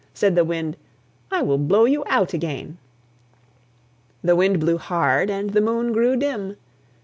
Said the Wind, "I will blow you out again." The Wind blew hard, and the Moon grew dim.